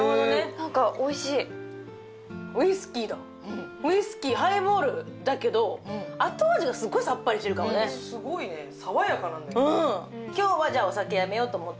なんかおいしいウイスキーハイボールだけど後味がすごいさっぱりしてるかもねすごいね爽やかなんだよね